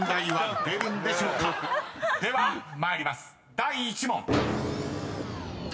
［第１問］